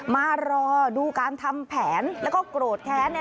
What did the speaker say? มารอดูการทำแผนแล้วก็โกรธแค้นเนี่ย